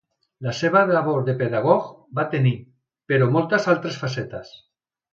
La seva labor de pedagog va tenir, però moltes altres facetes.